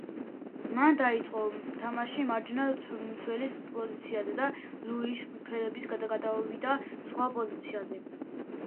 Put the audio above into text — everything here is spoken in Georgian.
მან დაიწყო თამაში მარჯვენა მცველის პოზიციაზე და ლუიშ ფელიპე გადავიდა სხვა პოზიციაზე.